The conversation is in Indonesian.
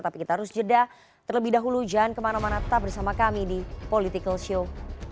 tapi kita harus jeda terlebih dahulu jangan kemana mana tetap bersama kami di political show